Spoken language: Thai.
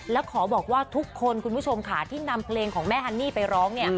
แล้วขอบอกว่าทุกคนคุณผู้ชมค่ะที่นำเพลงของแม่ฮันนี่ไปร้องเนี่ย